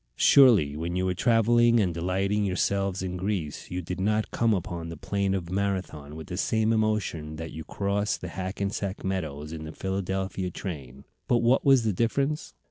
Surely when you were travelling and delighting yourselves in Greece you did not come upon the plain of Marathon with the same emotion that you cross the Hackensack meadows in the Philadelphia train. But what was the difference?